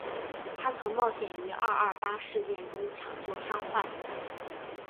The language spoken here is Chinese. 她曾冒险于二二八事件中抢救伤患。